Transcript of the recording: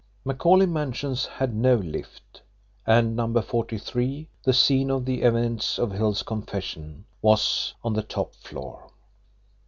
Macauley Mansions had no lift, and Number 43, the scene of the events of Hill's confession, was on the top floor.